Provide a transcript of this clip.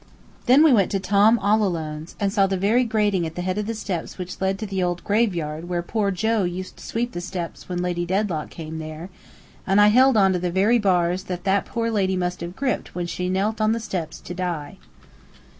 Then we went to Tom all alone's, and saw the very grating at the head of the steps which led to the old graveyard where poor Joe used to sweep the steps when Lady Dedlock came there, and I held on to the very bars that the poor lady must have gripped when she knelt on the steps to die.